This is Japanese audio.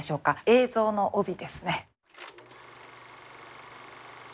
映像の帯ですね。